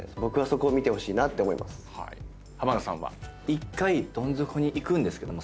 一回どん底にいくんですけども